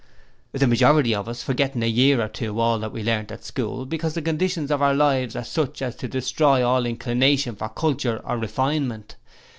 'The majority of us forget in a year or two all that we learnt at school because the conditions of our lives are such as to destroy all inclination for culture or refinement.